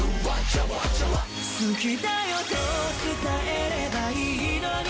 「好きだよ」と伝えればいいのに